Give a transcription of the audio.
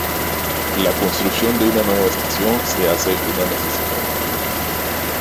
La construcción de una nueva estación se hace una necesidad.